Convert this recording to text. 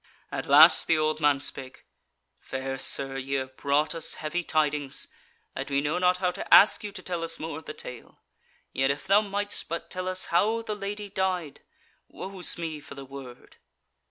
At last the old man spake: "Fair sir, ye have brought us heavy tidings, and we know not how to ask you to tell us more of the tale. Yet if thou might'st but tell us how the Lady died? Woe's me for the word!"